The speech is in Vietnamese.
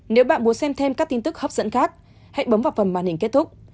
nếu bạn muốn xem thêm các tin tức hấp dẫn khác hãy bấm vào phần màn hình kết thúc